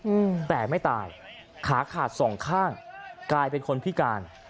อืมแต่ไม่ตายขาขาดสองข้างกลายเป็นคนพิการ